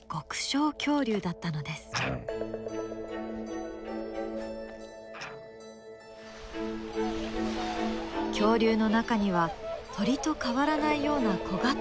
恐竜の中には鳥と変わらないような小型のものさえ存在した。